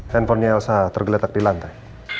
handphonenya elsa tergeletak di lantai